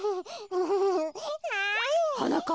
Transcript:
はなかっ